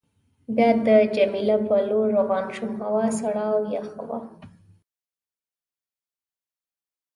بیا د جميله په لور روان شوم، هوا سړه او یخه وه.